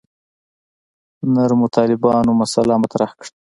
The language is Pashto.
نرمو طالبانو مسأله مطرح کړه.